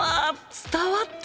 伝わった！